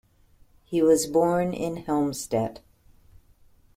He was born in Helmstedt.